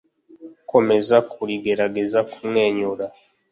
komeza kuri-gerageza' kumwenyura